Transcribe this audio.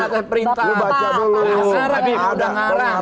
saya tidak mengarahkan